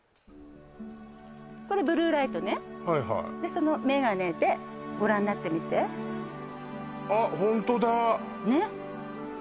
これブルーライトねはいはいそのメガネでご覧になってみてあっホントだねっ？